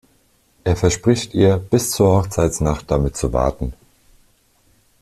Er verspricht ihr, bis zur Hochzeitsnacht damit zu warten.